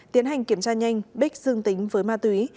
tiến hành kiểm tra nhanh bích dương tính với ma túy